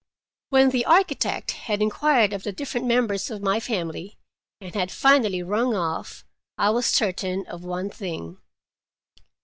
When the architect had inquired for the different members of my family, and had finally rung off, I was certain of one thing.